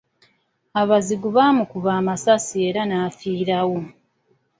Abazigu baamukuba amasasi era n’afiirawo.